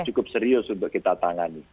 cukup serius untuk kita tangani